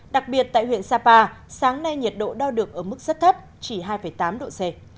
đặc biệt tại huyện sapa sáng nay nhiệt độ đo được ở mức rất thấp chỉ hai tám độ c